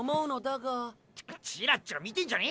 チラチラ見てんじゃねえ！